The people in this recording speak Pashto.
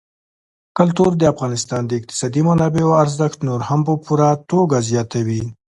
کلتور د افغانستان د اقتصادي منابعو ارزښت نور هم په پوره توګه زیاتوي.